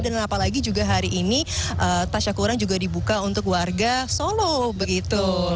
dan apalagi juga hari ini tasya kurang juga dibuka untuk warga solo begitu